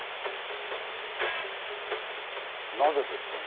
なぜですかね？